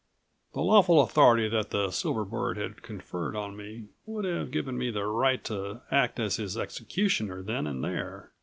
The lawful authority that the silver bird had conferred on me would have given me the right to act as his executioner then and there.